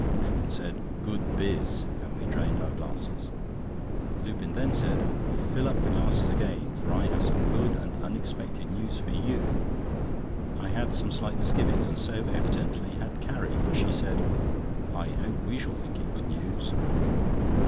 Lupin said: "Good biz!" and we drained our glasses. Lupin then said: "Fill up the glasses again, for I have some good and unexpected news for you." I had some slight misgivings, and so evidently had Carrie, for she said: "I hope we shall think it good news."